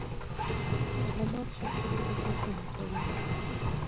غوماشه څو ورځې ژوند کوي.